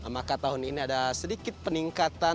maka tahun ini ada sedikit peningkatan